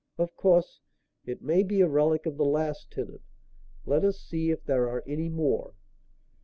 Of course, it may be a relic of the last tenant. Let us see if there are any more."